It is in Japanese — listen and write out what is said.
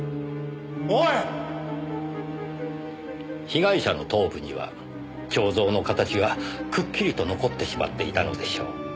被害者の頭部には彫像の形がくっきりと残ってしまっていたのでしょう。